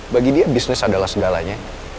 bagi dia bisnis adalah segalanya